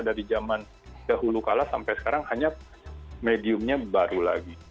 dari zaman dahulu kalah sampai sekarang hanya mediumnya baru lagi